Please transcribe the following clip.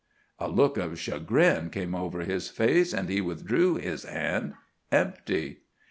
A look of chagrin came over his face, and he withdrew his hand—empty.